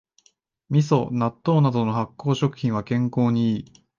みそ、納豆などの発酵食品は健康にいい